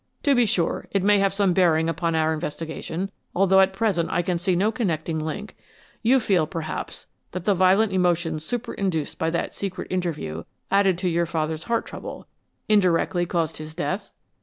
"To be sure, it may have some bearing upon our investigation, although at present I can see no connecting link. You feel, perhaps, that the violent emotions superinduced by that secret interview, added to your father's heart trouble, indirectly caused his death?"